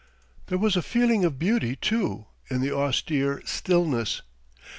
There was a feeling of beauty, too, in the austere stillness.